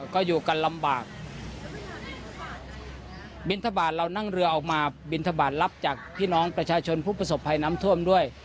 ก็อยู่กันลำบากบินทบาทเรานั่งเรือออกมาบินทบาทรับจากพี่น้องประชาชนผู้ประสบภัยน้ำท่วมด้วย